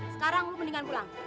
sekarang lu mendingan pulang